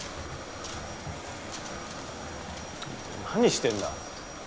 何してんだ？